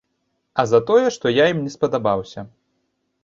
А за тое, што я ім не спадабаўся.